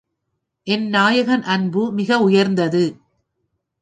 என் நாயகன் அன்பு மிக உயர்ந்தது.